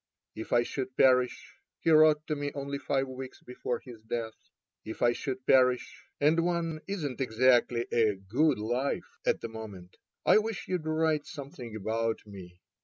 If I should perish,"he wrote to me only five weeks before his death, " if I should perish — and one isn't exactly a * good life ' at the moment — I wish you'd write something about me.